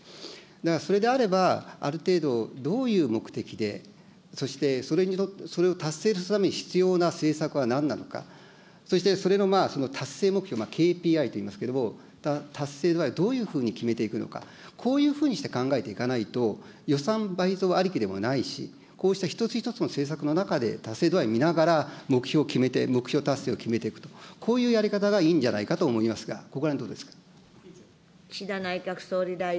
だからそれであれば、ある程度どういう目的で、そして、それを達成させるために必要な政策はなんなのか、そしてそれの達成目標、ＫＰＩと言いますけれども、達成度合い、どういうふうに決めていくのか、こういうふうにして考えていかないと、予算倍増ありきではないし、こうした一つ一つの政策の中で、達成度合い見ながら、目標を決めて、目標達成を決めていくと、こういうやり方がいいんじゃないかと思いますが、ここらへん、どうですか。